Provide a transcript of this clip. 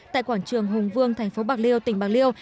tại quảng trường hùng vương thành phố bạc liêu tỉnh bạc liêu